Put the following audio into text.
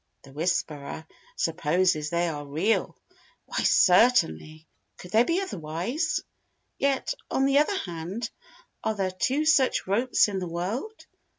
The 'Whisperer' supposes they are real. Why, certainly! Could they be otherwise? Yet, on the other hand, are there two such ropes in the world?